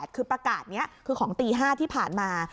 คือประกาศนี้คือของตี๕ที่ผ่านมา